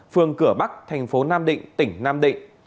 phường cửa bắc thành phố nam định tỉnh nam định